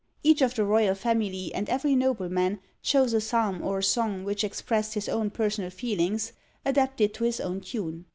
Each of the royal family, and every nobleman, chose a psalm or a song which expressed his own personal feelings, adapted to his own tune.